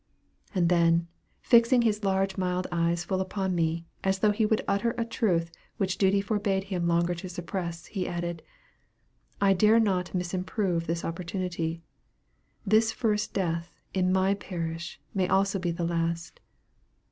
And then, fixing his large mild eyes full upon me, as though he would utter a truth which duty forbade him longer to suppress, he added, "I dare not misimprove this opportunity. This first death in my parish may also be the last.